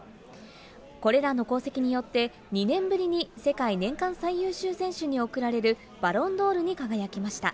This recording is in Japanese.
これらの功績によって、２年ぶりに世界年間最優秀選手に贈られるバロンドールに輝きました。